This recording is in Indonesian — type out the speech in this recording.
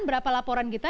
berapa laporan kita